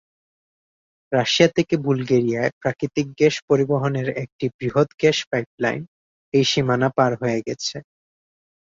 Russia থেকে বুলগেরিয়ায় প্রাকৃতিক গ্যাস পরিবহনের একটি বৃহৎ গ্যাস পাইপলাইন এই সীমানা পার হয়ে গেছে।